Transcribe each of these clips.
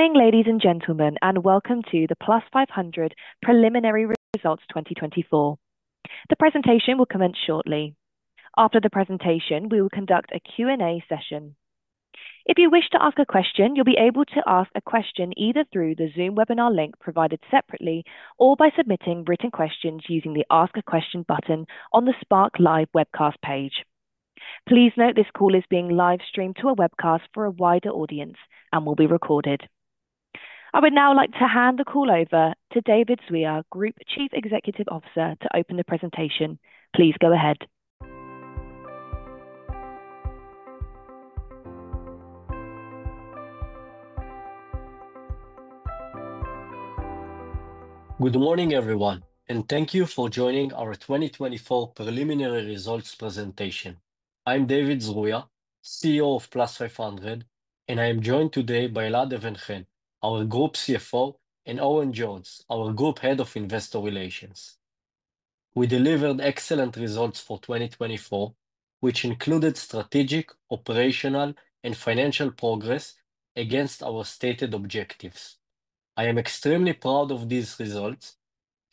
Morning, ladies and gentlemen, and welcome to the Plus500 Preliminary Results 2024. The presentation will commence shortly. After the presentation, we will conduct a Q&A session. If you wish to ask a question, you'll be able to ask a question either through the Zoom webinar link provided separately or by submitting written questions using the Ask a Question button on the SparkLive webcast page. Please note this call is being live-streamed to a webcast for a wider audience and will be recorded. I would now like to hand the call over to David Zruia, Group Chief Executive Officer, to open the presentation. Please go ahead. Good morning, everyone, and thank you for joining our 2024 Preliminary Results presentation. I'm David Zruia, CEO of Plus500, and I am joined today by Elad Even-Chen, our Group CFO, and Owen Jones, our Group Head of Investor Relations. We delivered excellent results for 2024, which included strategic, operational, and financial progress against our stated objectives. I am extremely proud of these results,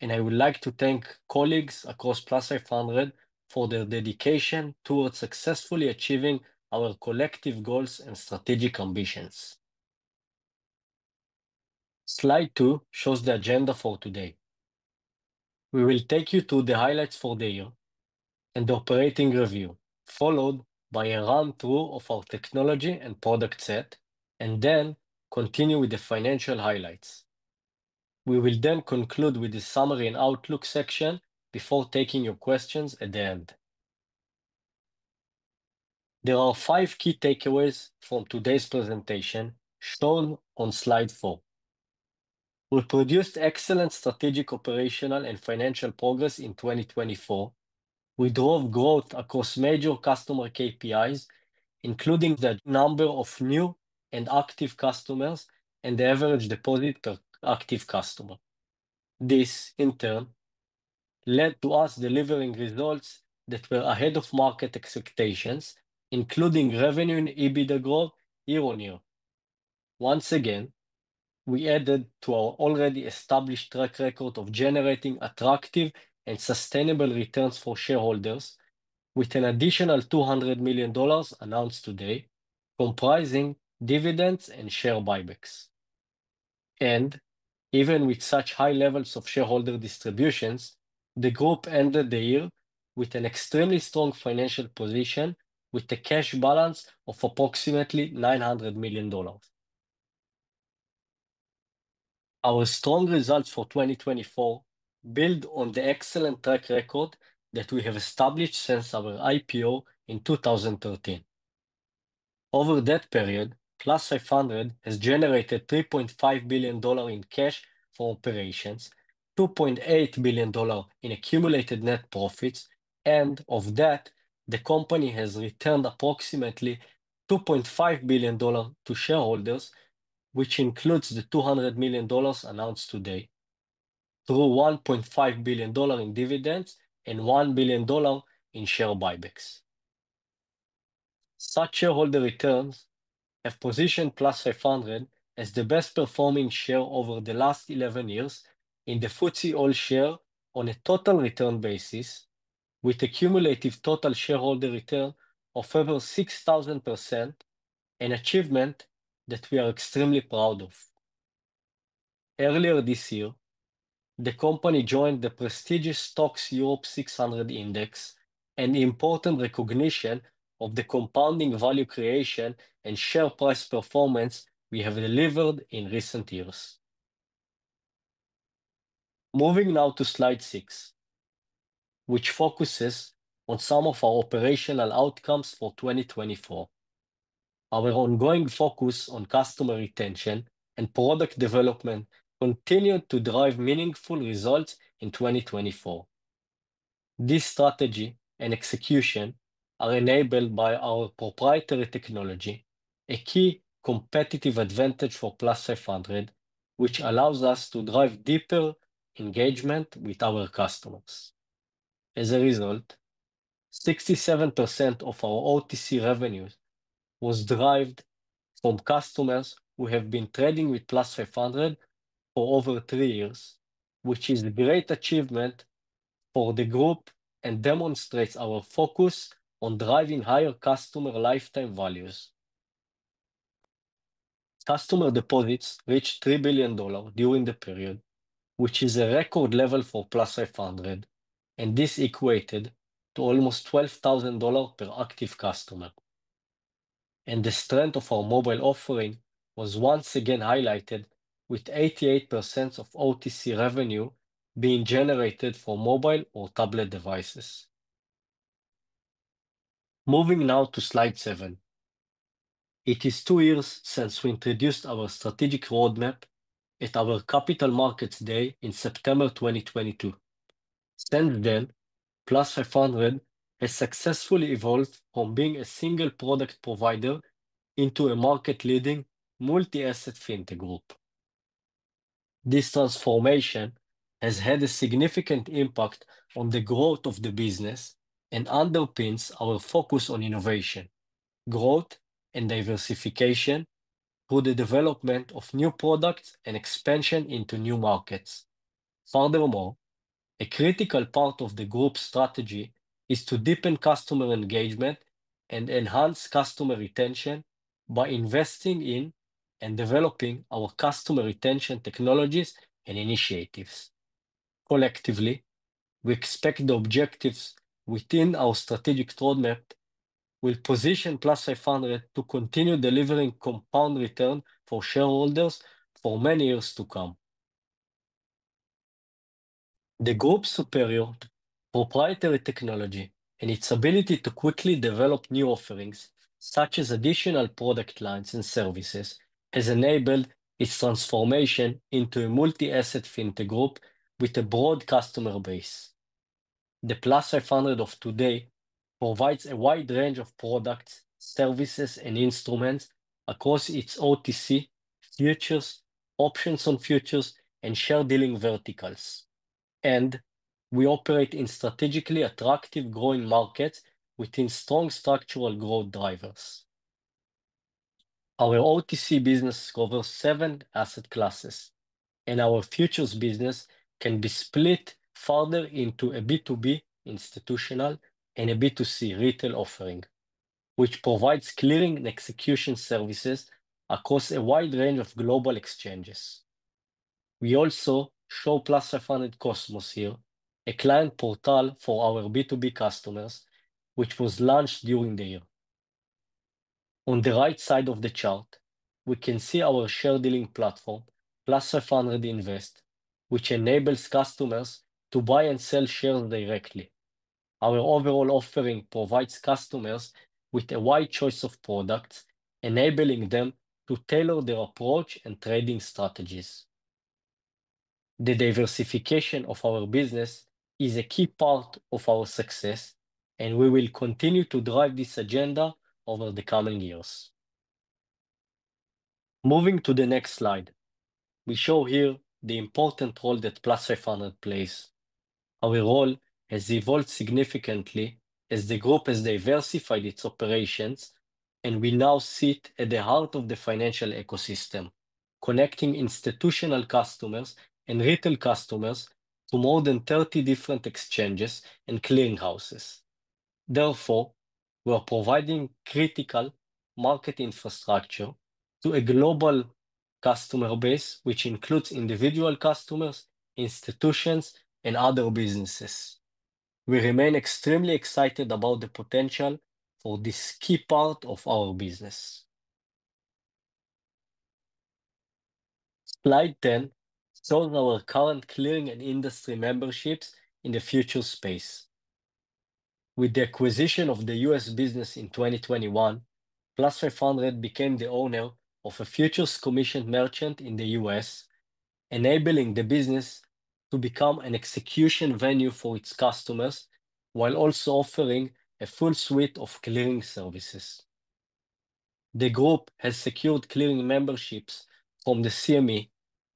and I would like to thank colleagues across Plus500 for their dedication towards successfully achieving our collective goals and strategic ambitions. Slide 2 shows the agenda for today. We will take you through the highlights for the year and the operating review, followed by a run-through of our technology and product set, and then continue with the financial highlights. We will then conclude with a summary and outlook section before taking your questions at the end. There are five key takeaways from today's presentation shown on Slide 4. We produced excellent strategic, operational, and financial progress in 2024. We drove growth across major customer KPIs, including the number of new and active customers and the average deposit per active customer. This, in turn, led to us delivering results that were ahead of market expectations, including revenue and EBITDA growth year on year. Once again, we added to our already established track record of generating attractive and sustainable returns for shareholders with an additional $200 million announced today, comprising dividends and share buybacks, and even with such high levels of shareholder distributions, the Group ended the year with an extremely strong financial position, with a cash balance of approximately $900 million. Our strong results for 2024 build on the excellent track record that we have established since our IPO in 2013. Over that period, Plus500 has generated $3.5 billion in cash for operations, $2.8 billion in accumulated net profits, and of that, the company has returned approximately $2.5 billion to shareholders, which includes the $200 million announced today, through $1.5 billion in dividends and $1 billion in share buybacks. Such shareholder returns have positioned Plus500 as the best-performing share over the last 11 years in the FTSE All-Share on a total return basis, with accumulative total shareholder return of over 6,000%, an achievement that we are extremely proud of. Earlier this year, the company joined the prestigious STOXX Europe 600 Index and the important recognition of the compounding value creation and share price performance we have delivered in recent years. Moving now to Slide 6, which focuses on some of our operational outcomes for 2024. Our ongoing focus on customer retention and product development continued to drive meaningful results in 2024. This strategy and execution are enabled by our proprietary technology, a key competitive advantage for Plus500, which allows us to drive deeper engagement with our customers. As a result, 67% of our OTC revenues was derived from customers who have been trading with Plus500 for over three years, which is a great achievement for the Group and demonstrates our focus on driving higher customer lifetime values. Customer deposits reached $3 billion during the period, which is a record level for Plus500, and this equated to almost $12,000 per active customer, and the strength of our mobile offering was once again highlighted, with 88% of OTC revenue being generated for mobile or tablet devices. Moving now to Slide 7, it is two years since we introduced our strategic roadmap at our Capital Markets Day in September 2022. Since then, Plus500 has successfully evolved from being a single product provider into a market-leading multi-asset fintech group. This transformation has had a significant impact on the growth of the business and underpins our focus on innovation, growth, and diversification through the development of new products and expansion into new markets. Furthermore, a critical part of the Group's strategy is to deepen customer engagement and enhance customer retention by investing in and developing our customer retention technologies and initiatives. Collectively, we expect the objectives within our strategic roadmap will position Plus500 to continue delivering compound return for shareholders for many years to come. The Group's superior proprietary technology and its ability to quickly develop new offerings, such as additional product lines and services, has enabled its transformation into a multi-asset fintech group with a broad customer base. The Plus500 of today provides a wide range of products, services, and instruments across its OTC, futures, options on futures, and share dealing verticals, and we operate in strategically attractive growing markets within strong structural growth drivers. Our OTC business covers seven asset classes, and our futures business can be split further into a B2B institutional and a B2C retail offering, which provides clearing and execution services across a wide range of global exchanges. We also show Plus500 COSMOS here, a client portal for our B2B customers, which was launched during the year. On the right side of the chart, we can see our share dealing platform, Plus500 Invest, which enables customers to buy and sell shares directly. Our overall offering provides customers with a wide choice of products, enabling them to tailor their approach and trading strategies. The diversification of our business is a key part of our success, and we will continue to drive this agenda over the coming years. Moving to the next slide, we show here the important role that Plus500 plays. Our role has evolved significantly as the Group has diversified its operations, and we now sit at the heart of the financial ecosystem, connecting institutional customers and retail customers to more than 30 different exchanges and clearinghouses. Therefore, we are providing critical market infrastructure to a global customer base, which includes individual customers, institutions, and other businesses. We remain extremely excited about the potential for this key part of our business. Slide 10 shows our current clearing and industry memberships in the futures space. With the acquisition of the U.S. business in 2021, Plus500 became the owner of a futures commission merchant in the U.S., enabling the business to become an execution venue for its customers, while also offering a full suite of clearing services. The Group has secured clearing memberships from the CME,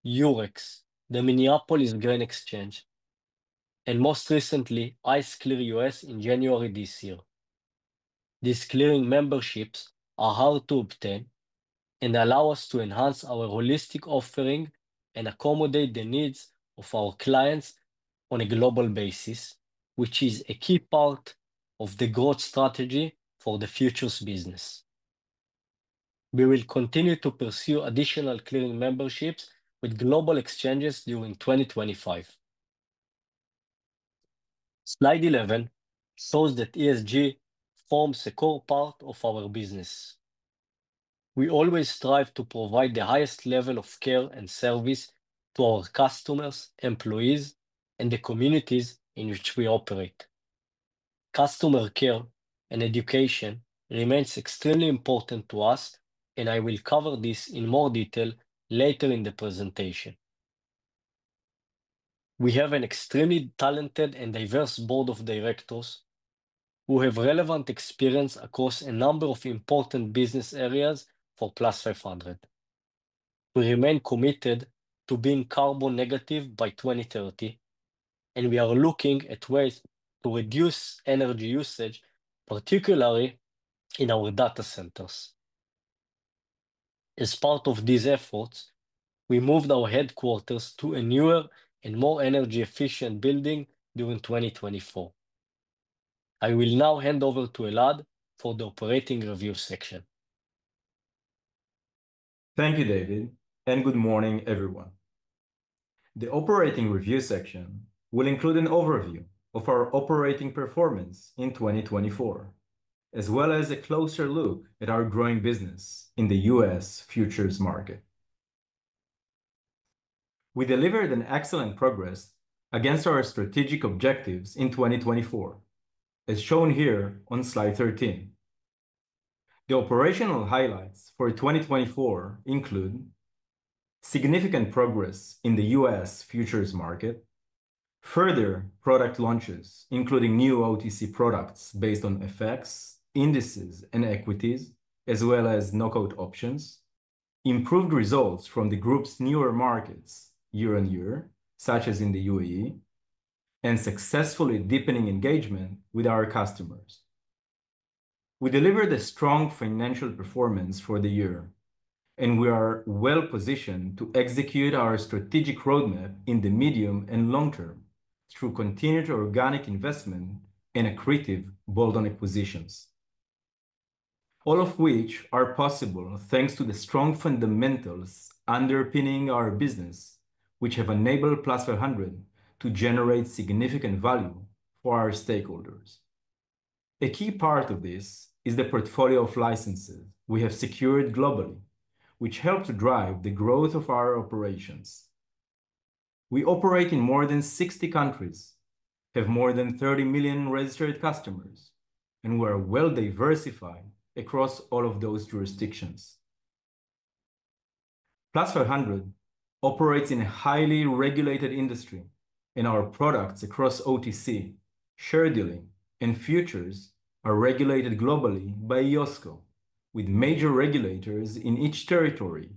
Eurex, the Minneapolis Grain Exchange, and most recently, ICE Clear U.S. in January this year. These clearing memberships are hard to obtain and allow us to enhance our holistic offering and accommodate the needs of our clients on a global basis, which is a key part of the growth strategy for the futures business. We will continue to pursue additional clearing memberships with global exchanges during 2025. Slide 11 shows that ESG forms a core part of our business. We always strive to provide the highest level of care and service to our customers, employees, and the communities in which we operate. Customer care and education remain extremely important to us, and I will cover this in more detail later in the presentation. We have an extremely talented and diverse board of directors who have relevant experience across a number of important business areas for Plus500. We remain committed to being carbon negative by 2030, and we are looking at ways to reduce energy usage, particularly in our data centers. As part of these efforts, we moved our headquarters to a newer and more energy-efficient building during 2024. I will now hand over to Elad for the operating review section. Thank you, David, and good morning, everyone. The operating review section will include an overview of our operating performance in 2024, as well as a closer look at our growing business in the U.S. futures market. We delivered excellent progress against our strategic objectives in 2024, as shown here on Slide 13. The operational highlights for 2024 include significant progress in the U.S. futures market, further product launches, including new OTC products based on FX, indexes, and equities, as well as knockout options, improved results from the Group's newer markets year on year, such as in the UAE, and successfully deepening engagement with our customers. We delivered a strong financial performance for the year, and we are well positioned to execute our strategic roadmap in the medium and long term through continued organic investment and accretive bolt-on acquisitions, all of which are possible thanks to the strong fundamentals underpinning our business, which have enabled Plus500 to generate significant value for our stakeholders. A key part of this is the portfolio of licenses we have secured globally, which help to drive the growth of our operations. We operate in more than 60 countries, have more than 30 million registered customers, and we are well diversified across all of those jurisdictions. Plus500 operates in a highly regulated industry, and our products across OTC, share dealing, and futures are regulated globally by IOSCO, with major regulators in each territory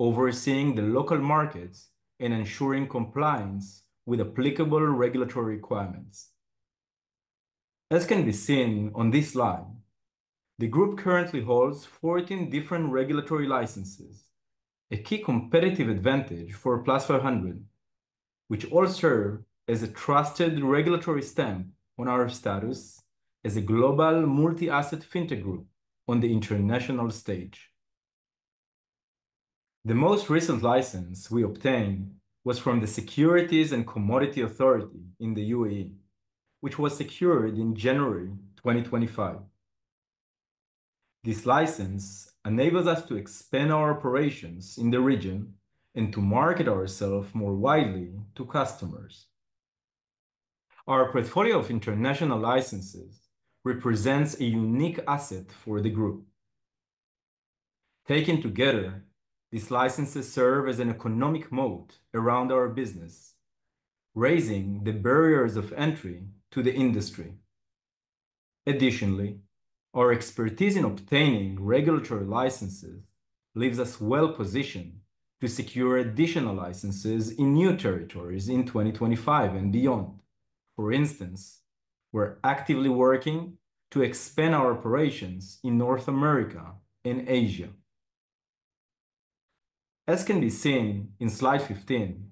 overseeing the local markets and ensuring compliance with applicable regulatory requirements. As can be seen on this slide, the Group currently holds 14 different regulatory licenses, a key competitive advantage for Plus500, which also serves as a trusted regulatory stamp on our status as a global multi-asset fintech group on the international stage. The most recent license we obtained was from the Securities and Commodities Authority in the UAE, which was secured in January 2025. This license enables us to expand our operations in the region and to market ourselves more widely to customers. Our portfolio of international licenses represents a unique asset for the Group. Taken together, these licenses serve as an economic moat around our business, raising the barriers of entry to the industry. Additionally, our expertise in obtaining regulatory licenses leaves us well positioned to secure additional licenses in new territories in 2025 and beyond. For instance, we're actively working to expand our operations in North America and Asia. As can be seen in Slide 15,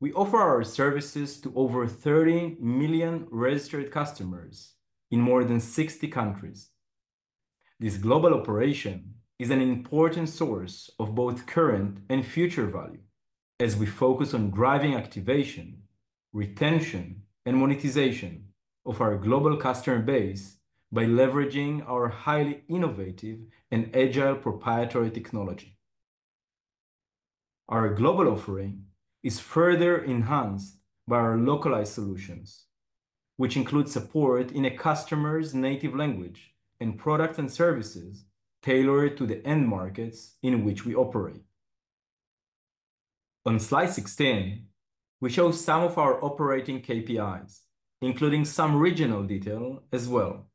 we offer our services to over 30 million registered customers in more than 60 countries. This global operation is an important source of both current and future value, as we focus on driving activation, retention, and monetization of our global customer base by leveraging our highly innovative and agile proprietary technology. Our global offering is further enhanced by our localized solutions, which include support in a customer's native language and products and services tailored to the end markets in which we operate. On Slide 16, we show some of our operating KPIs, including some regional detail as well.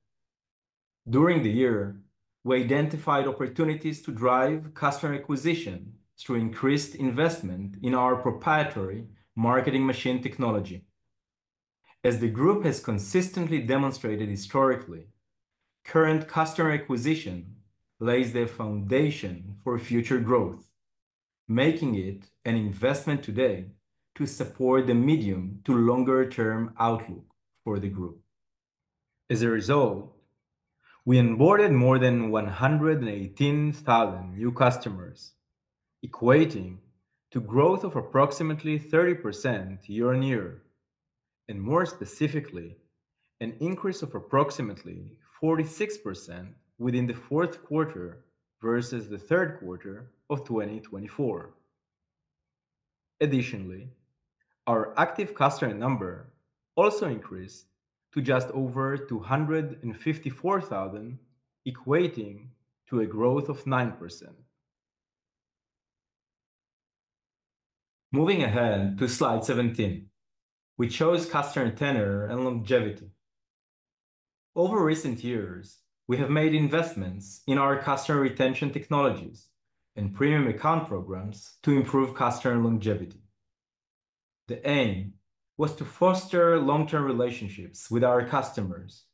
During the year, we identified opportunities to drive customer acquisition through increased investment in our proprietary marketing machine technology. As the Group has consistently demonstrated historically, current customer acquisition lays the foundation for future growth, making it an investment today to support the medium to longer-term outlook for the Group. As a result, we onboarded more than 118,000 new customers, equating to growth of approximately 30% year on year, and more specifically, an increase of approximately 46% within the Q4 versus the Q3 of 2024. Additionally, our active customer number also increased to just over 254,000, equating to a growth of 9%. Moving ahead to Slide 17, we chose customer tenure and longevity. Over recent years, we have made investments in our customer retention technologies and premium account programs to improve customer longevity. The aim was to foster long-term relationships with our customers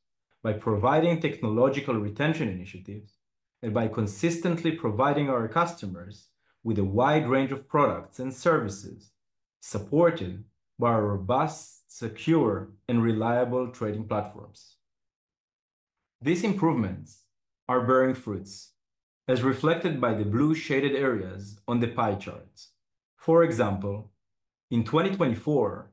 by providing technological retention initiatives and by consistently providing our customers with a wide range of products and services supported by robust, secure, and reliable trading platforms. These improvements are bearing fruits, as reflected by the blue shaded areas on the pie chart. For example, in 2024,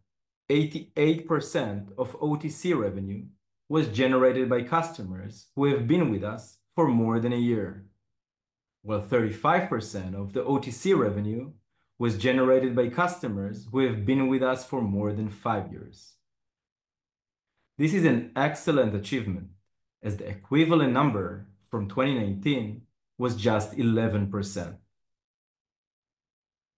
88% of OTC revenue was generated by customers who have been with us for more than a year, while 35% of the OTC revenue was generated by customers who have been with us for more than five years. This is an excellent achievement, as the equivalent number from 2019 was just 11%.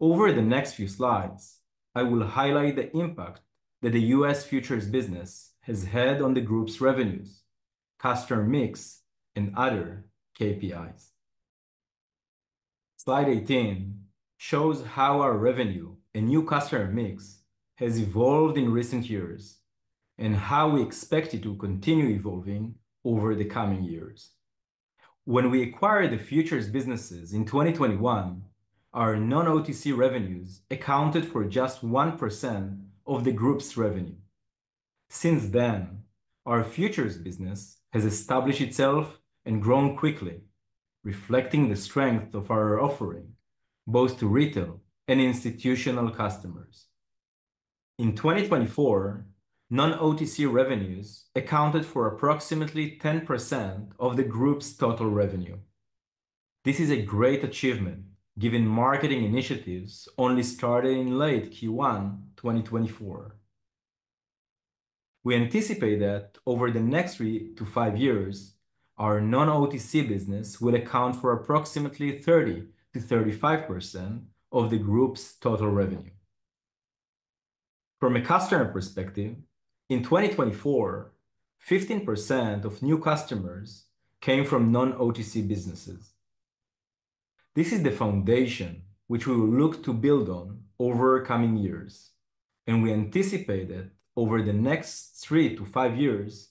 Over the next few slides, I will highlight the impact that the U.S. futures business has had on the Group's revenues, customer mix, and other KPIs. Slide 18 shows how our revenue and new customer mix has evolved in recent years and how we expect it to continue evolving over the coming years. When we acquired the futures businesses in 2021, our non-OTC revenues accounted for just 1% of the Group's revenue. Since then, our futures business has established itself and grown quickly, reflecting the strength of our offering both to retail and institutional customers. In 2024, non-OTC revenues accounted for approximately 10% of the Group's total revenue. This is a great achievement, given marketing initiatives only started in late Q1 2024. We anticipate that over the next three to five years, our non-OTC business will account for approximately 30% to 35% of the Group's total revenue. From a customer perspective, in 2024, 15% of new customers came from non-OTC businesses. This is the foundation which we will look to build on over coming years, and we anticipate that over the next three to five years,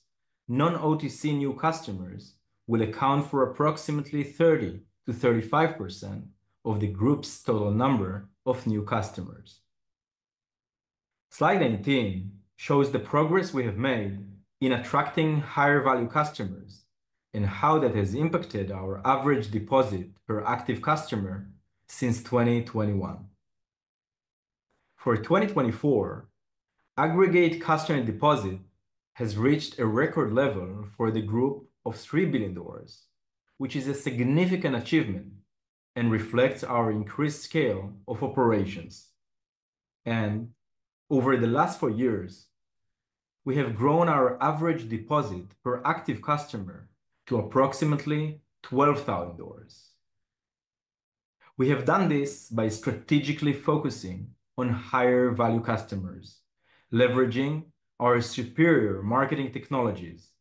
non-OTC new customers will account for approximately 30% to 35% of the Group's total number of new customers. Slide 18 shows the progress we have made in attracting higher-value customers and how that has impacted our average deposit per active customer since 2021. For 2024, aggregate customer deposit has reached a record level for the Group of $3 billion, which is a significant achievement and reflects our increased scale of operations, and over the last four years, we have grown our average deposit per active customer to approximately $12,000. We have done this by strategically focusing on higher-value customers, leveraging our superior marketing technologies,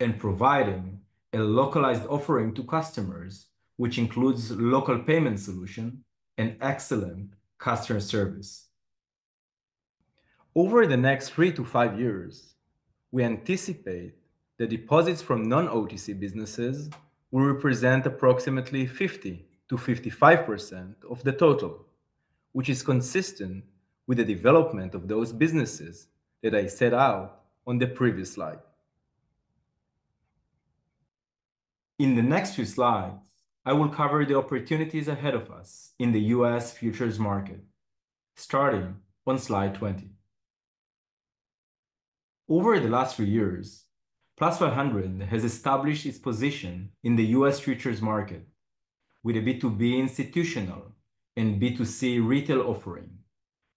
and providing a localized offering to customers, which includes a local payment solution and excellent customer service. Over the next three to five years, we anticipate that deposits from non-OTC businesses will represent approximately 50% to 55% of the total, which is consistent with the development of those businesses that I set out on the previous slide. In the next few slides, I will cover the opportunities ahead of us in the U.S. futures market, starting on Slide 20. Over the last few years, Plus500 has established its position in the U.S. futures market with a B2B institutional and B2C retail offering,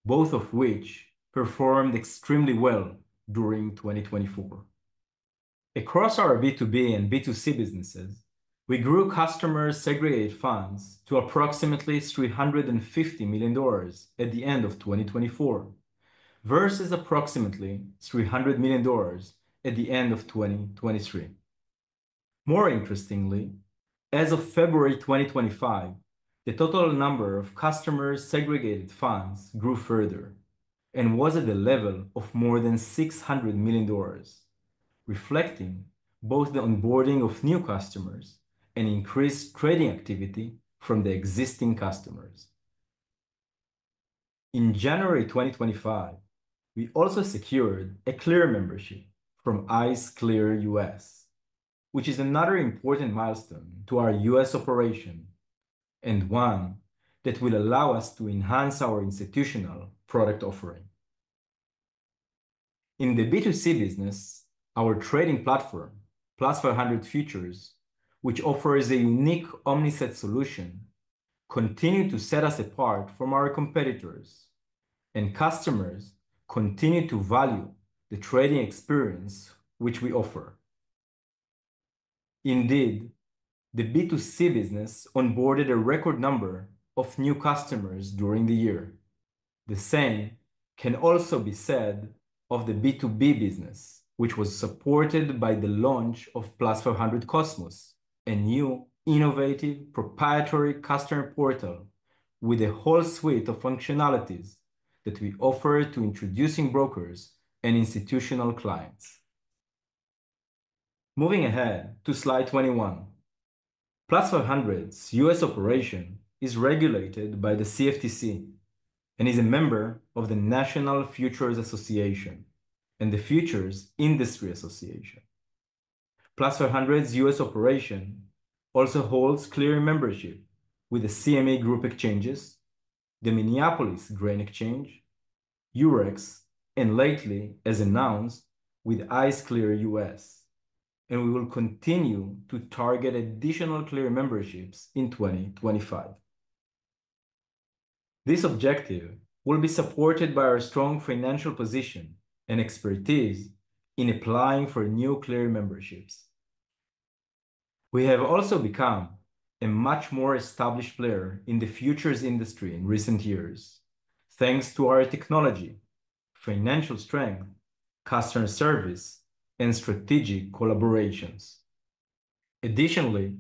both of which performed extremely well during 2024. Across our B2B and B2C businesses, we grew customer segregated funds to approximately $350 million at the end of 2024 versus approximately $300 million at the end of 2023. More interestingly, as of February 2025, the total number of customer segregated funds grew further and was at the level of more than $600 million, reflecting both the onboarding of new customers and increased trading activity from the existing customers. In January 2025, we also secured a clearing membership from ICE Clear US, which is another important milestone to our U.S. operation and one that will allow us to enhance our institutional product offering. In the B2C business, our trading platform, Plus500 Futures, which offers a unique omnibus solution, continued to set us apart from our competitors, and customers continued to value the trading experience which we offer. Indeed, the B2C business onboarded a record number of new customers during the year. The same can also be said of the B2B business, which was supported by the launch of Plus500 COSMOS, a new innovative proprietary customer portal with a whole suite of functionalities that we offer to introducing brokers and institutional clients. Moving ahead to Slide 21, Plus500's U.S. operation is regulated by the CFTC and is a member of the National Futures Association and the Futures Industry Association. Plus500's U.S. operation also holds clearing membership with the CME Group Exchanges, the Minneapolis Grain Exchange, Eurex, and lately, as announced, with ICE Clear US, and we will continue to target additional clearing memberships in 2025. This objective will be supported by our strong financial position and expertise in applying for new clearing memberships. We have also become a much more established player in the futures industry in recent years, thanks to our technology, financial strength, customer service, and strategic collaborations. Additionally,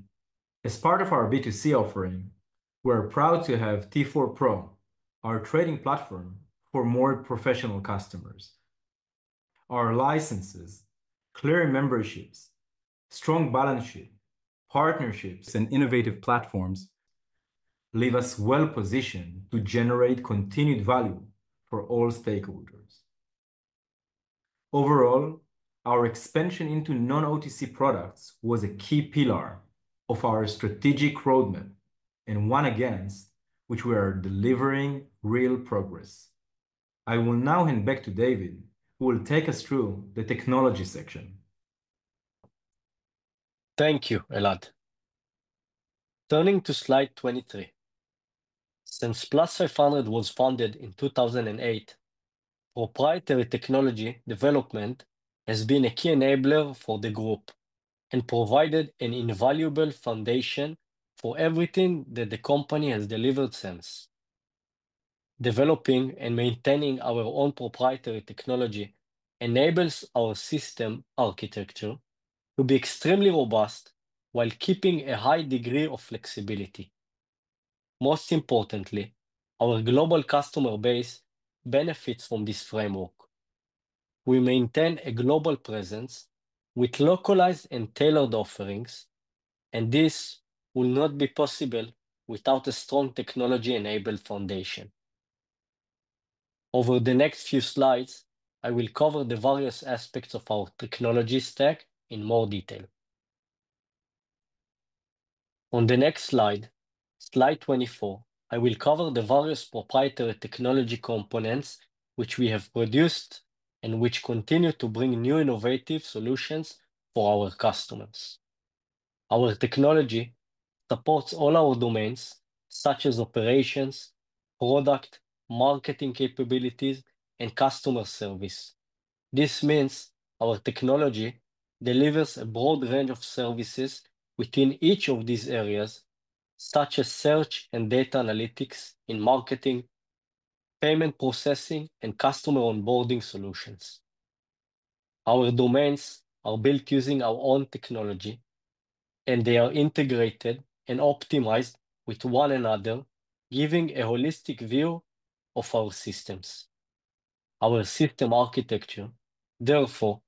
as part of our B2C offering, we're proud to have T4 Pro, our trading platform for more professional customers. Our licenses, clearing memberships, strong balance sheet, partnerships, and innovative platforms leave us well positioned to generate continued value for all stakeholders. Overall, our expansion into non-OTC products was a key pillar of our strategic roadmap and one against which we are delivering real progress. I will now hand back to David, who will take us through the technology section. Thank you, Elad. Turning to Slide 23, since Plus500 was founded in 2008, proprietary technology development has been a key enabler for the Group and provided an invaluable foundation for everything that the company has delivered since. Developing and maintaining our own proprietary technology enables our system architecture to be extremely robust while keeping a high degree of flexibility. Most importantly, our global customer base benefits from this framework. We maintain a global presence with localized and tailored offerings, and this will not be possible without a strong technology-enabled foundation. Over the next few slides, I will cover the various aspects of our technology stack in more detail. On the next slide, Slide 24, I will cover the various proprietary technology components which we have produced and which continue to bring new innovative solutions for our customers. Our technology supports all our domains, such as operations, product, marketing capabilities, and customer service. This means our technology delivers a broad range of services within each of these areas, such as search and data analytics in marketing, payment processing, and customer onboarding solutions. Our domains are built using our own technology, and they are integrated and optimized with one another, giving a holistic view of our systems. Our system architecture, therefore,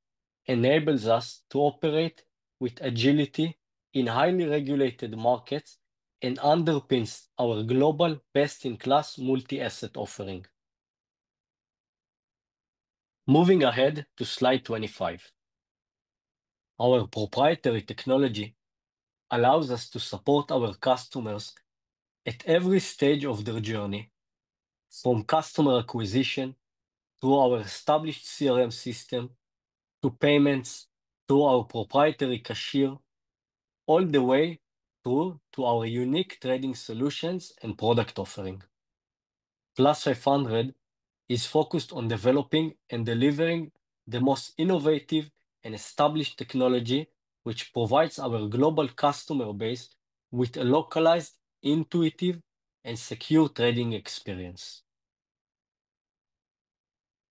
enables us to operate with agility in highly regulated markets and underpins our global best-in-class multi-asset offering. Moving ahead to Slide 25, our proprietary technology allows us to support our customers at every stage of their journey, from customer acquisition through our established CRM system to payments through our proprietary cashier, all the way through to our unique trading solutions and product offering. Plus500 is focused on developing and delivering the most innovative and established technology, which provides our global customer base with a localized, intuitive, and secure trading experience.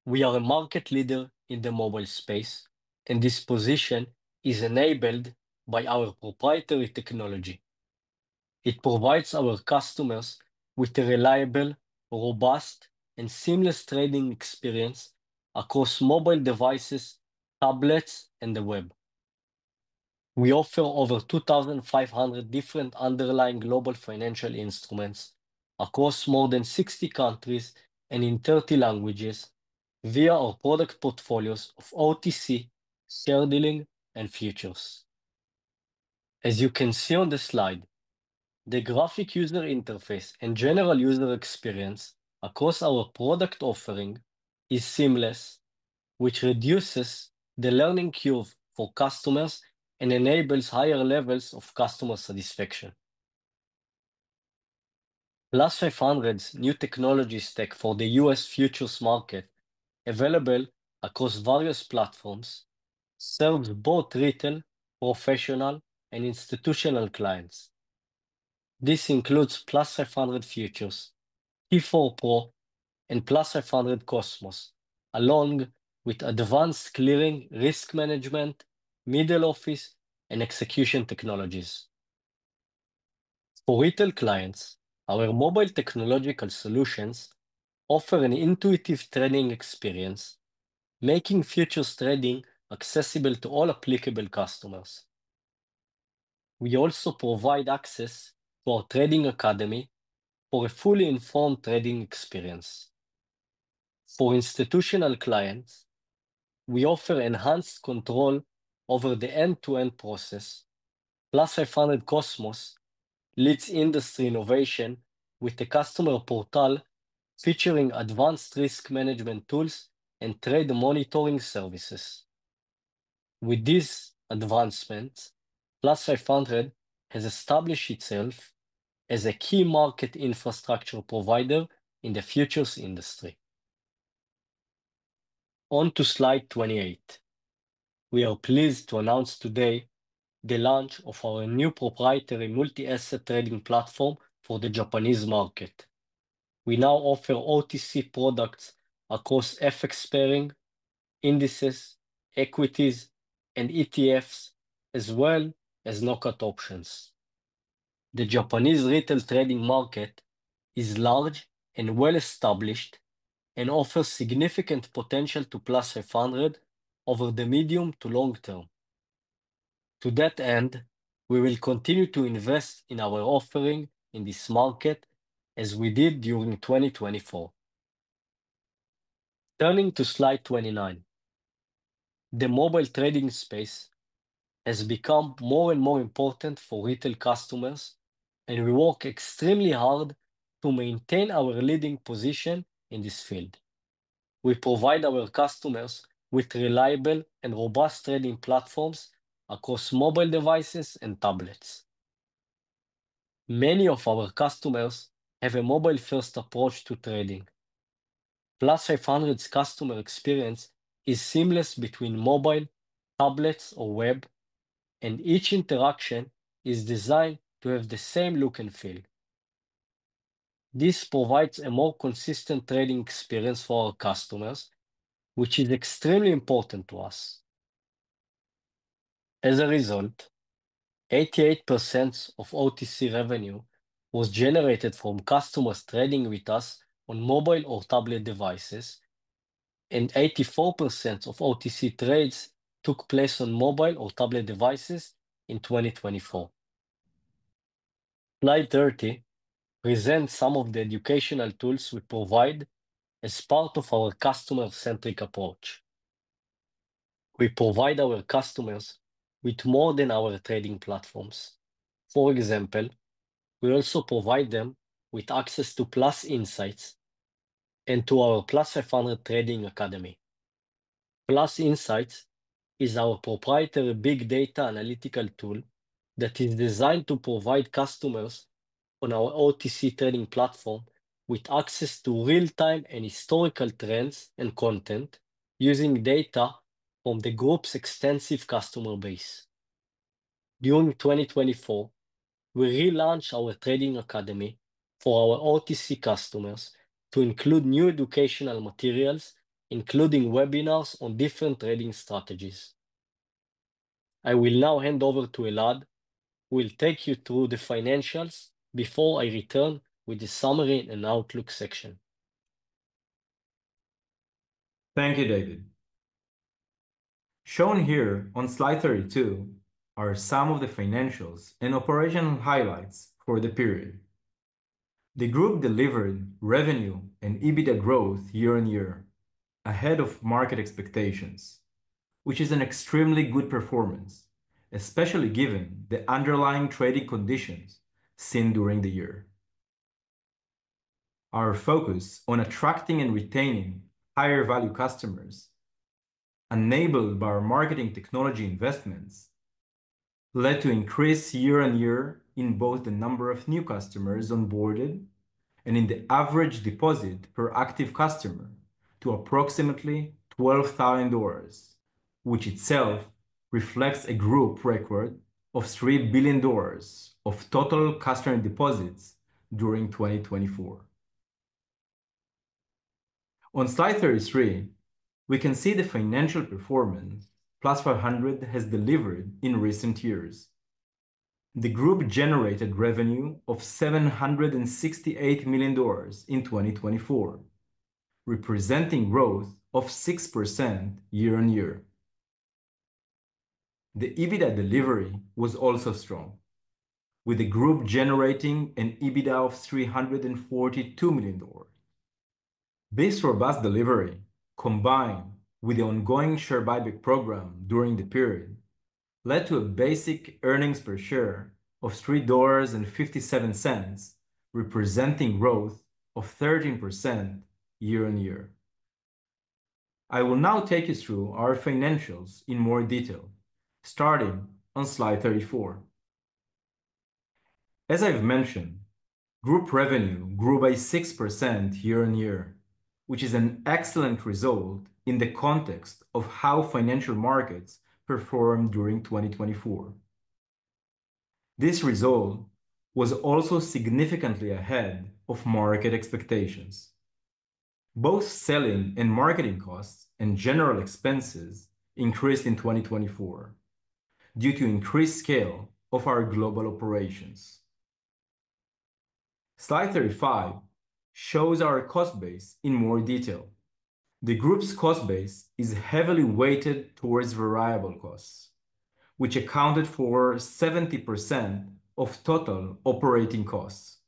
We are a market leader in the mobile space, and this position is enabled by our proprietary technology. It provides our customers with a reliable, robust, and seamless trading experience across mobile devices, tablets, and the web. We offer over 2,500 different underlying global financial instruments across more than 60 countries and in 30 languages via our product portfolios of OTC, share dealing, and futures. As you can see on the slide, the graphical user interface and general user experience across our product offering is seamless, which reduces the learning curve for customers and enables higher levels of customer satisfaction. Plus500's new technology stack for the U.S. futures market, available across various platforms, serves both retail, professional, and institutional clients. This includes Plus500 Futures, T4 Pro, and Plus500 COSMOS, along with advanced clearing, risk management, middle office, and execution technologies. For retail clients, our mobile technological solutions offer an intuitive trading experience, making futures trading accessible to all applicable customers. We also provide access to our trading academy for a fully informed trading experience. For institutional clients, we offer enhanced control over the end-to-end process. Plus500 COSMOS leads industry innovation with a customer portal featuring advanced risk management tools and trade monitoring services. With these advancements, Plus500 has established itself as a key market infrastructure provider in the futures industry. On to Slide 28, we are pleased to announce today the launch of our new proprietary multi-asset trading platform for the Japanese market. We now offer OTC products across FX pairing, indices, equities, and ETFs, as well as knockout options. The Japanese retail trading market is large and well-established and offers significant potential to Plus500 over the medium to long term. To that end, we will continue to invest in our offering in this market as we did during 2024. Turning to Slide 29, the mobile trading space has become more and more important for retail customers, and we work extremely hard to maintain our leading position in this field. We provide our customers with reliable and robust trading platforms across mobile devices and tablets. Many of our customers have a mobile-first approach to trading. Plus500's customer experience is seamless between mobile, tablets, or web, and each interaction is designed to have the same look and feel. This provides a more consistent trading experience for our customers, which is extremely important to us. As a result, 88% of OTC revenue was generated from customers trading with us on mobile or tablet devices, and 84% of OTC trades took place on mobile or tablet devices in 2024. Slide 30 presents some of the educational tools we provide as part of our customer-centric approach. We provide our customers with more than our trading platforms. For example, we also provide them with access to Plus Insights and to our Plus500 Trading Academy. Plus Insights is our proprietary big data analytical tool that is designed to provide customers on our OTC trading platform with access to real-time and historical trends and content using data from the Group's extensive customer base. During 2024, we relaunched our Trading Academy for our OTC customers to include new educational materials, including webinars on different trading strategies. I will now hand over to Elad, who will take you through the financials before I return with the summary and Outlook section. Thank you, David. Shown here on Slide 32 are some of the financials and operational highlights for the period. The Group delivered revenue and EBITDA growth year-on-year ahead of market expectations, which is an extremely good performance, especially given the underlying trading conditions seen during the year. Our focus on attracting and retaining higher-value customers, enabled by our marketing technology investments, led to increases year-on-year in both the number of new customers onboarded and in the average deposit per active customer to approximately $12,000, which itself reflects a Group record of $3 billion of total customer deposits during 2024. On Slide 33, we can see the financial performance Plus500 has delivered in recent years. The Group generated revenue of $768 million in 2024, representing growth of 6% year-on-year. The EBITDA delivery was also strong, with the Group generating an EBITDA of $342 million. This robust delivery, combined with the ongoing share buyback program during the period, led to a basic earnings per share of $3.57, representing growth of 13% year-on-year. I will now take you through our financials in more detail, starting on Slide 34. As I've mentioned, Group revenue grew by 6% year-on-year, which is an excellent result in the context of how financial markets performed during 2024. This result was also significantly ahead of market expectations. Both selling and marketing costs and general expenses increased in 2024 due to increased scale of our global operations. Slide 35 shows our cost base in more detail. The Group's cost base is heavily weighted towards variable costs, which accounted for 70% of total operating costs.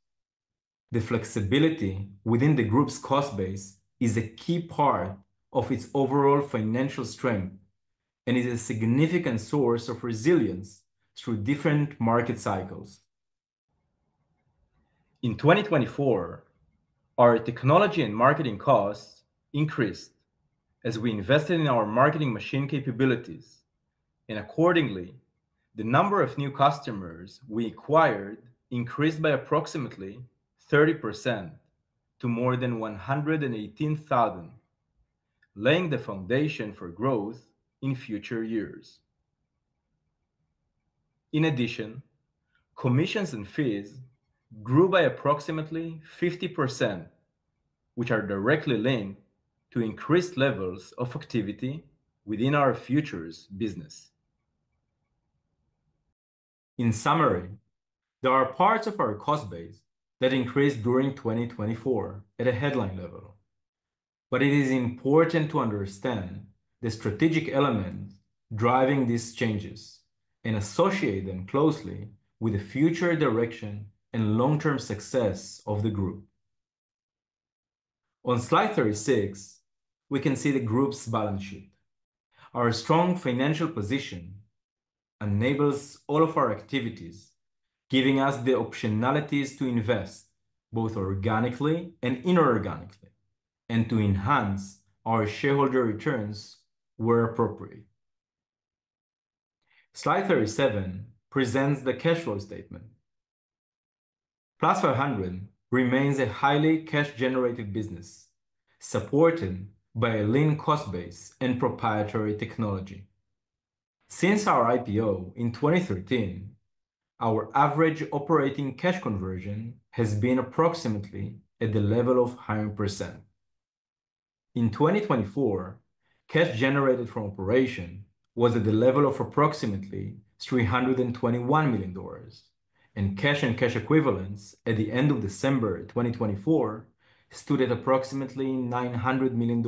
The flexibility within the Group's cost base is a key part of its overall financial strength and is a significant source of resilience through different market cycles. In 2024, our technology and marketing costs increased as we invested in our marketing machine capabilities, and accordingly, the number of new customers we acquired increased by approximately 30% to more than 118,000, laying the foundation for growth in future years. In addition, commissions and fees grew by approximately 50%, which are directly linked to increased levels of activity within our futures business. In summary, there are parts of our cost base that increased during 2024 at a headline level, but it is important to understand the strategic elements driving these changes and associate them closely with the future direction and long-term success of the Group. On Slide 36, we can see the Group's balance sheet. Our strong financial position enables all of our activities, giving us the optionalities to invest both organically and inorganically and to enhance our shareholder returns where appropriate. Slide 37 presents the cash flow statement. Plus500 remains a highly cash-generative business, supported by a lean cost base and proprietary technology. Since our IPO in 2013, our average operating cash conversion has been approximately at the level of 100%. In 2024, cash generated from operations was at the level of approximately $321 million, and cash and cash equivalents at the end of December 2024 stood at approximately $900 million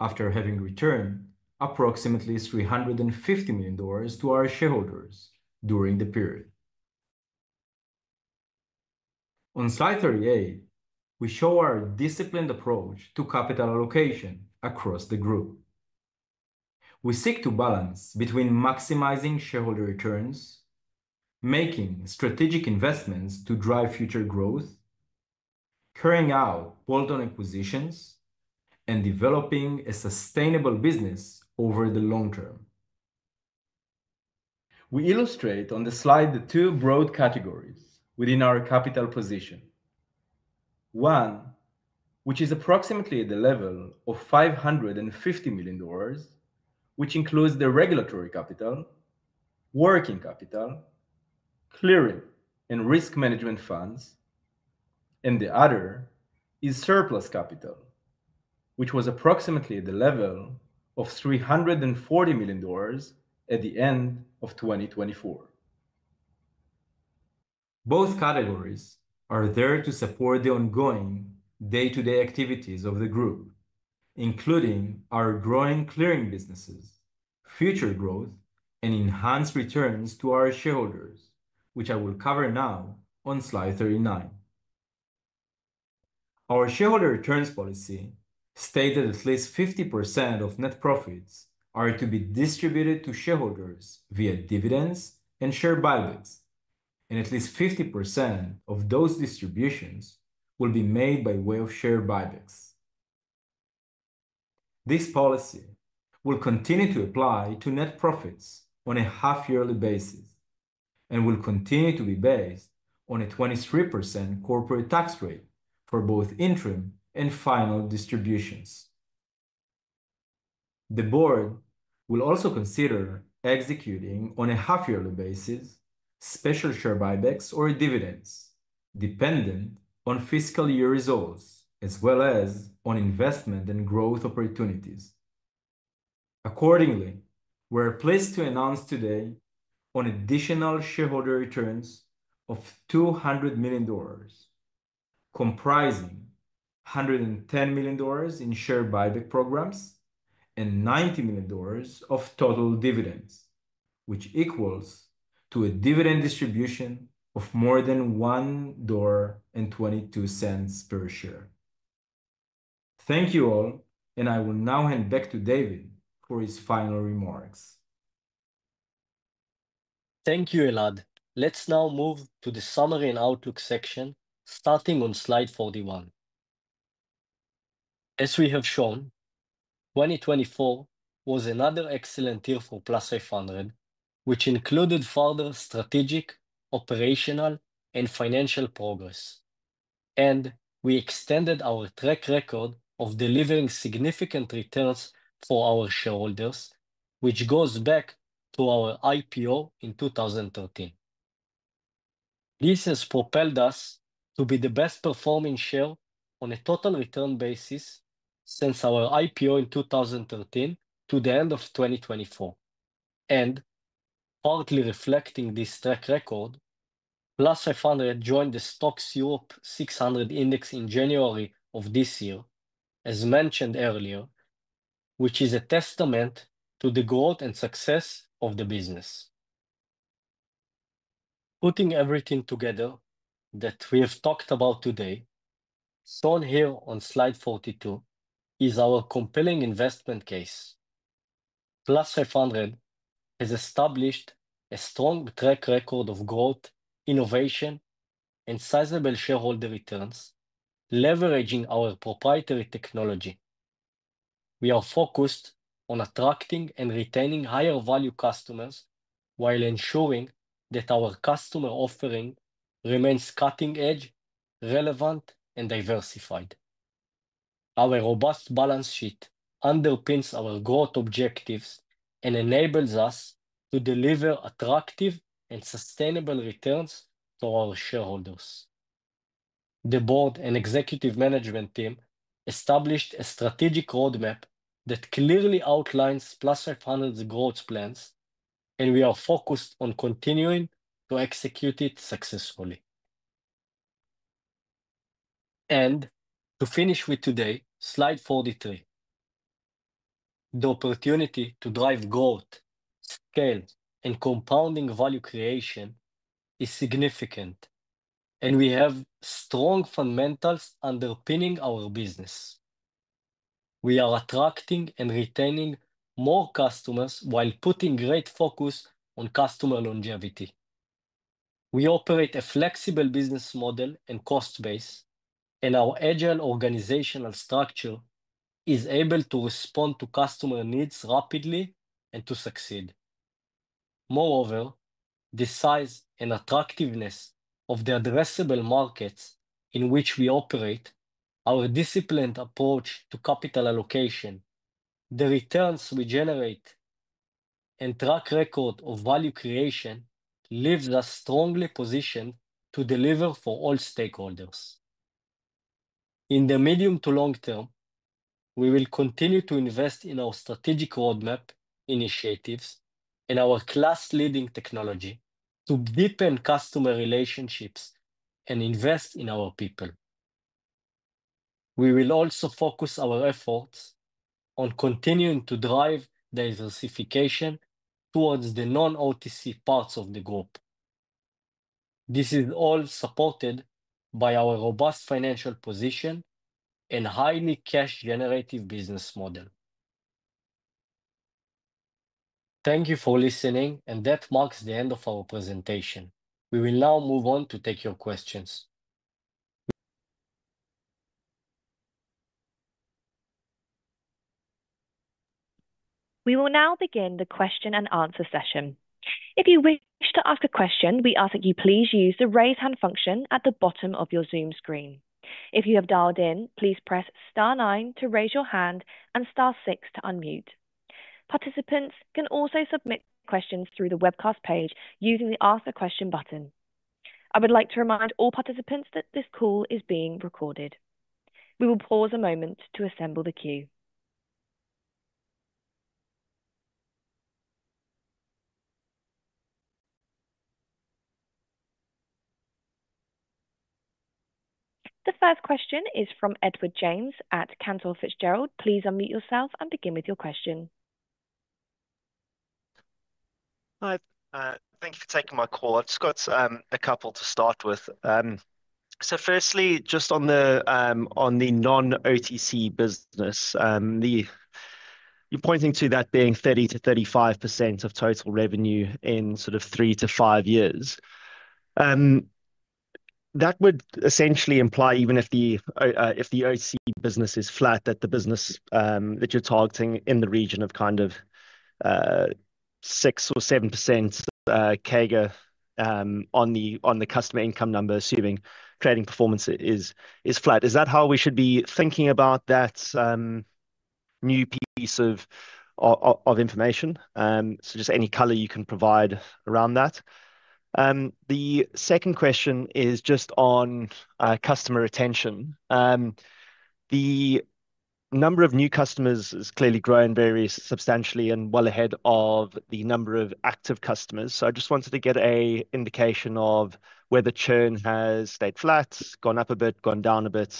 after having returned approximately $350 million to our shareholders during the period. On Slide 38, we show our disciplined approach to capital allocation across the Group. We seek to balance between maximizing shareholder returns, making strategic investments to drive future growth, carrying out bolt-on acquisition, and developing a sustainable business over the long term. We illustrate on the slide the two broad categories within our capital position. One, which is approximately at the level of $550 million, which includes the regulatory capital, working capital, clearing, and risk management funds, and the other is surplus capital, which was approximately at the level of $340 million at the end of 2024. Both categories are there to support the ongoing day-to-day activities of the Group, including our growing clearing businesses, future growth, and enhanced returns to our shareholders, which I will cover now on Slide 39. Our shareholder returns policy states that at least 50% of net profits are to be distributed to shareholders via dividends and share buybacks, and at least 50% of those distributions will be made by way of share buybacks. This policy will continue to apply to net profits on a half-yearly basis and will continue to be based on a 23% corporate tax rate for both interim and final distributions. The Board will also consider executing on a half-yearly basis special share buybacks or dividends dependent on fiscal year results, as well as on investment and growth opportunities. Accordingly, we're pleased to announce today an additional shareholder returns of $200 million, comprising $110 million in share buyback programs and $90 million of total dividends, which equals a dividend distribution of more than $1.22 per share. Thank you all, and I will now hand back to David for his final remarks. Thank you, Elad. Let's now move to the summary and Outlook section, starting on Slide 41. As we have shown, 2024 was another excellent year for Plus500, which included further strategic, operational, and financial progress, and we extended our track record of delivering significant returns for our shareholders, which goes back to our IPO in 2013. This has propelled us to be the best-performing share on a total return basis since our IPO in 2013 to the end of 2024. Partly reflecting this track record, Plus500 joined the STOXX Europe 600 Index in January of this year, as mentioned earlier, which is a testament to the growth and success of the business. Putting everything together that we have talked about today, shown here on Slide 42, is our compelling investment case. Plus500 has established a strong track record of growth, innovation, and sizable shareholder returns, leveraging our proprietary technology. We are focused on attracting and retaining higher-value customers while ensuring that our customer offering remains cutting-edge, relevant, and diversified. Our robust balance sheet underpins our growth objectives and enables us to deliver attractive and sustainable returns to our shareholders. The Board and Executive Management Team established a strategic roadmap that clearly outlines Plus500's growth plans, and we are focused on continuing to execute it successfully. To finish with today, Slide 43. The opportunity to drive growth, scale, and compounding value creation is significant, and we have strong fundamentals underpinning our business. We are attracting and retaining more customers while putting great focus on customer longevity. We operate a flexible business model and cost base, and our agile organizational structure is able to respond to customer needs rapidly and to succeed. Moreover, the size and attractiveness of the addressable markets in which we operate, our disciplined approach to capital allocation, the returns we generate, and track record of value creation leave us strongly positioned to deliver for all stakeholders. In the medium to long term, we will continue to invest in our strategic roadmap initiatives and our class-leading technology to deepen customer relationships and invest in our people. We will also focus our efforts on continuing to drive diversification towards the non-OTC parts of the Group. This is all supported by our robust financial position and highly cash-generative business model. Thank you for listening, and that marks the end of our presentation. We will now move on to take your questions. We will now begin the question and answer session. If you wish to ask a question, we ask that you please use the raise hand function at the bottom of your Zoom screen. If you have dialed in, please press star nine to raise your hand and star six to unmute. Participants can also submit questions through the webcast page using the ask a question button. I would like to remind all participants that this call is being recorded. We will pause a moment to assemble the queue. The first question is from Edward James at Cantor Fitzgerald. Please unmute yourself and begin with your question. Hi, thank you for taking my call. I've just got a couple to start with. So firstly, just on the non-OTC business, you're pointing to that being 30% to 35% of total revenue in sort of three to five years. That would essentially imply, even if the OTC business is flat, that the business that you're targeting in the region of kind of 6% or 7% CAGR on the customer income number, assuming trading performance is flat. Is that how we should be thinking about that new piece of information? So just any color you can provide around that. The second question is just on customer retention. The number of new customers is clearly growing very substantially and well ahead of the number of active customers. So I just wanted to get an indication of whether churn has stayed flat, gone up a bit, gone down a bit.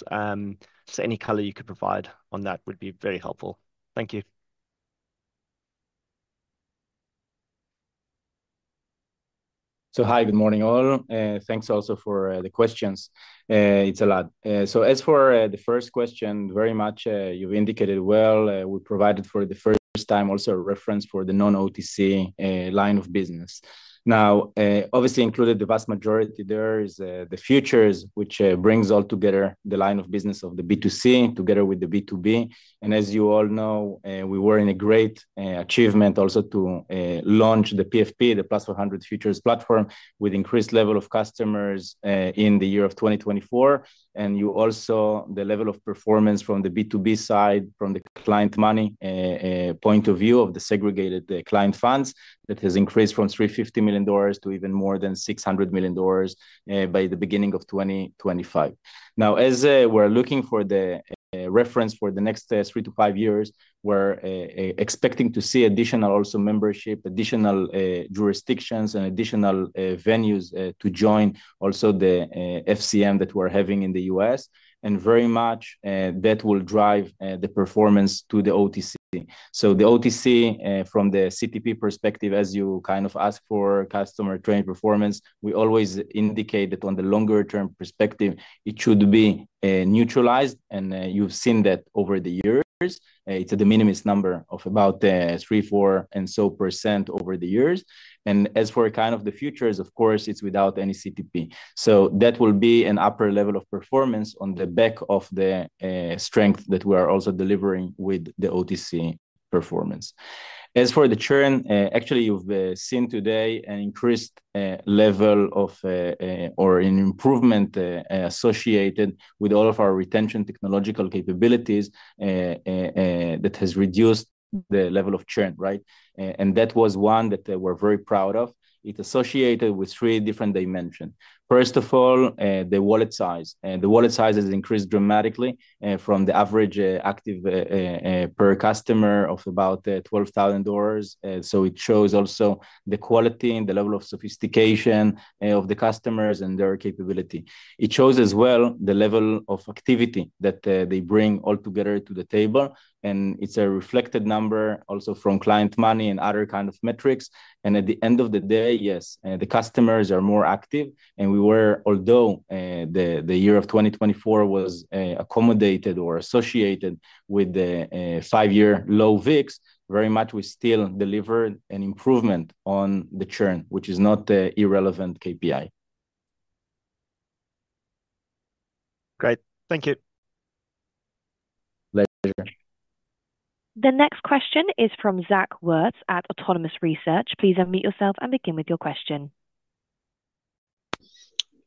So any color you could provide on that would be very helpful. Thank you. So hi, good morning all. Thanks also for the questions. It's Elad. So as for the first question, very much you've indicated well. We provided for the first time also a reference for the non-OTC line of business. Now, obviously included the vast majority there is the futures, which brings all together the line of business of the B2C together with the B2B. And as you all know, we were in a great achievement also to launch the PFP, the Plus500 Futures platform, with increased level of customers in the year of 2024. And you also the level of performance from the B2B side, from the client money point of view of the segregated client funds that has increased from $350 million to even more than $600 million by the beginning of 2025. Now, as we're looking for the reference for the next three to five years, we're expecting to see additional also membership, additional jurisdictions, and additional venues to join also the FCM that we're having in the U.S. And very much that will drive the performance to the OTC. So the OTC, from the CTP perspective, as you kind of ask for customer trading performance, we always indicate that on the longer-term perspective, it should be neutralized. And you've seen that over the years. It's at the minimum number of about three, four, and so % over the years. And as for kind of the futures, of course, it's without any CTP. So that will be an upper level of performance on the back of the strength that we are also delivering with the OTC performance. As for the churn, actually, you've seen today an increased level of or an improvement associated with all of our retention technological capabilities that has reduced the level of churn, right? And that was one that we're very proud of. It's associated with three different dimensions. First of all, the wallet size. The wallet size has increased dramatically from the average active per customer of about $12,000. So it shows also the quality and the level of sophistication of the customers and their capability. It shows as well the level of activity that they bring all together to the table. And it's a reflected number also from client money and other kind of metrics. And at the end of the day, yes, the customers are more active. And we were, although the year of 2024 was accommodated or associated with the five-year low VIX, very much we still deliver an improvement on the churn, which is not an irrelevant KPI. Great. Thank you. Pleasure. The next question is from Zack Wurz at Autonomous Research. Please unmute yourself and begin with your question.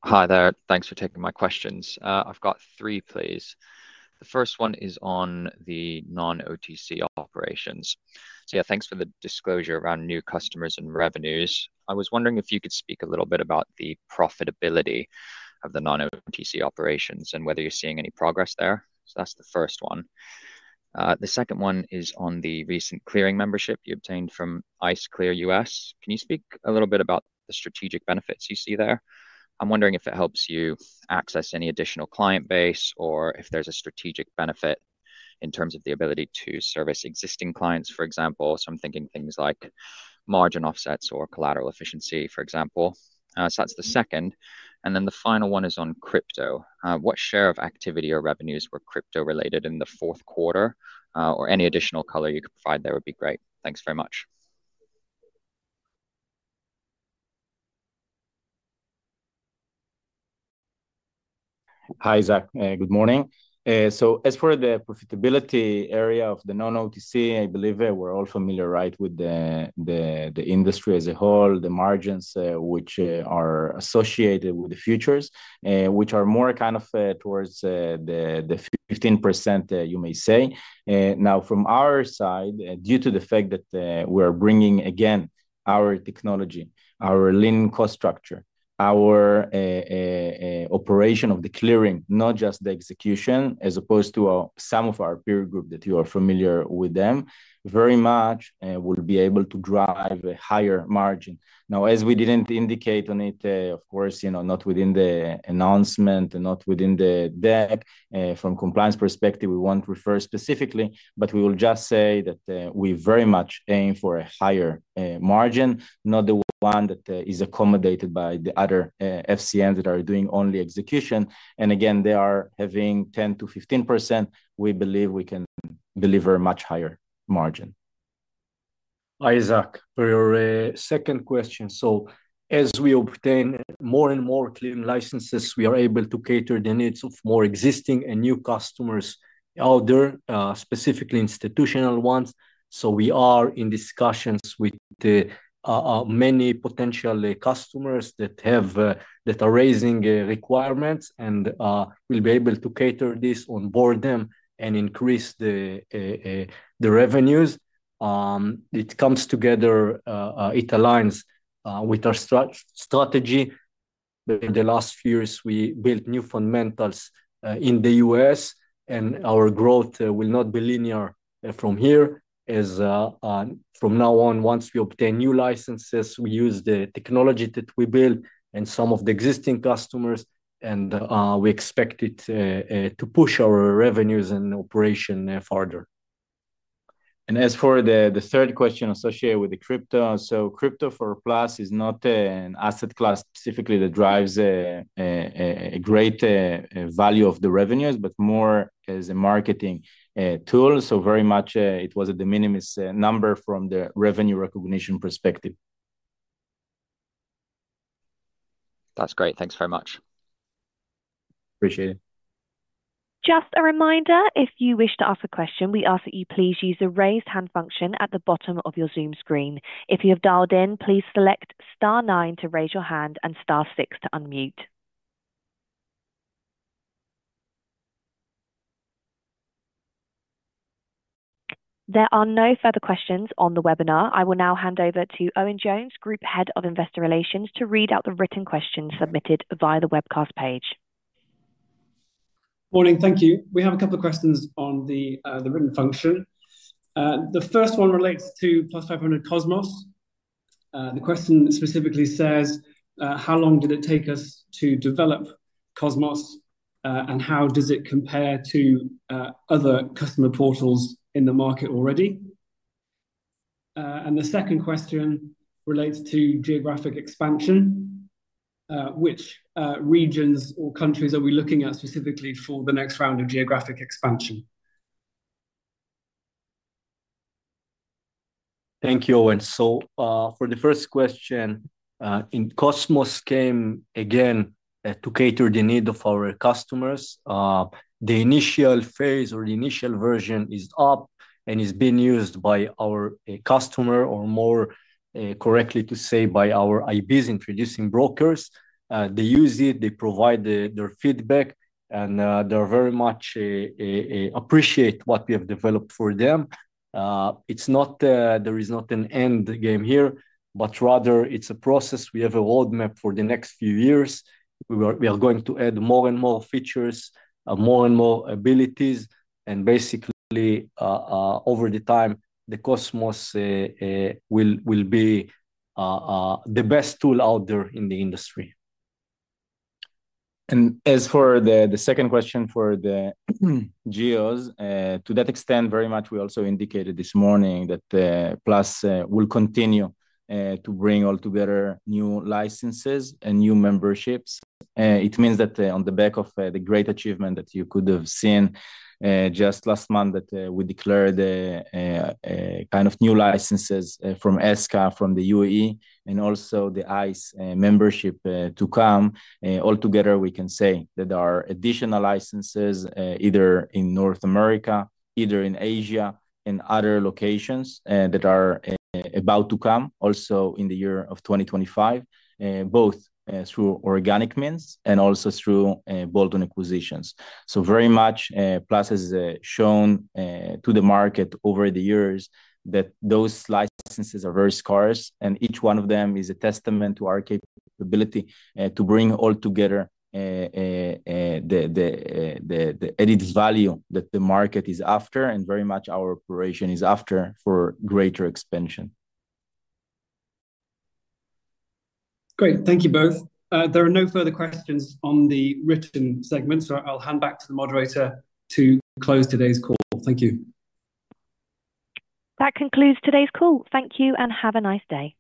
Hi there. Thanks for taking my questions. I've got three, please. The first one is on the non-OTC operations. So yeah, thanks for the disclosure around new customers and revenues. I was wondering if you could speak a little bit about the profitability of the non-OTC operations and whether you're seeing any progress there. So that's the first one. The second one is on the recent clearing membership you obtained from ICE Clear U.S.. Can you speak a little bit about the strategic benefits you see there? I'm wondering if it helps you access any additional client base or if there's a strategic benefit in terms of the ability to service existing clients, for example. So I'm thinking things like margin offsets or collateral efficiency, for example. So that's the second. And then the final one is on crypto. What share of activity or revenues were crypto-related in the Q4? Or any additional color you could provide there would be great. Thanks very much. Hi, Zach. Good morning. So as for the profitability area of the non-OTC, I believe we're all familiar, right, with the industry as a whole, the margins which are associated with the futures, which are more kind of towards the 15%, you may say. Now, from our side, due to the fact that we are bringing, again, our technology, our lean cost structure, our operation of the clearing, not just the execution, as opposed to some of our peer group that you are familiar with them, very much will be able to drive a higher margin. Now, as we didn't indicate on it, of course, not within the announcement and not within the deck, from compliance perspective, we won't refer specifically, but we will just say that we very much aim for a higher margin, not the one that is accommodated by the other FCMs that are doing only execution. And again, they are having 10% to 15%. We believe we can deliver a much higher margin. Hi, Zach. For your second question. As we obtain more and more clearing licenses, we are able to cater the needs of more existing and new customers, other, specifically institutional ones. We are in discussions with many potential customers that are raising requirements and will be able to cater this, onboard them, and increase the revenues. It comes together. It aligns with our strategy. Over the last few years, we built new fundamentals in the US, and our growth will not be linear from here. From now on, once we obtain new licenses, we use the technology that we build and some of the existing customers, and we expect it to push our revenues and operation further. As for the third question associated with the crypto, crypto for Plus is not an asset class specifically that drives a great value of the revenues, but more as a marketing tool. So very much it was at the minimum number from the revenue recognition perspective. That's great. Thanks very much. Appreciate it. Just a reminder, if you wish to ask a question, we ask that you please use the raise hand function at the bottom of your Zoom screen. If you have dialed in, please select star nine to raise your hand and star six to unmute. There are no further questions on the webinar. I will now hand over to Owen Jones, Group Head of Investor Relations, to read out the written question submitted via the webcast page. Morning. Thank you. We have a couple of questions on the written function. The first one relates to Plus500 COSMOS. The question specifically says, how long did it take us to develop COSMOS and how does it compare to other customer portals in the market already? The second question relates to geographic expansion. Which regions or countries are we looking at specifically for the next round of geographic expansion? Thank you, Owen. For the first question, COSMOS came again to cater the need of our customers. The initial phase or the initial version is up and is being used by our customer, or more correctly to say, by our IBs introducing brokers. They use it, they provide their feedback, and they very much appreciate what we have developed for them. There is not an end game here, but rather it's a process. We have a roadmap for the next few years. We are going to add more and more features, more and more abilities, and basically, over the time, the COSMOS will be the best tool out there in the industry. As for the second question for the geos, to that extent, very much we also indicated this morning that Plus will continue to bring all together new licenses and new memberships. It means that on the back of the great achievement that you could have seen just last month that we declared kind of new licenses from SCA, from the UAE, and also the ICE membership to come, all together, we can say that there are additional licenses either in North America, either in Asia and other locations that are about to come also in the year of 2025, both through organic means and also through bolt-on acquisitions. So very much Plus has shown to the market over the years that those licenses are very scarce, and each one of them is a testament to our capability to bring all together the added value that the market is after and very much our operation is after for greater expansion. Great. Thank you both. There are no further questions on the written segment, so I'll hand back to the moderator to close today's call. Thank you. That concludes today's call. Thank you and have a nice day.